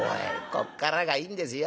「こっからがいいんですよ。